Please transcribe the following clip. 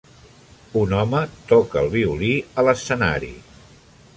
Un home toca el violí a l'escenari.